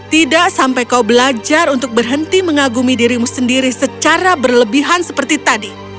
tidak sampai kau belajar untuk berhenti mengagumi dirimu sendiri secara berlebihan seperti tadi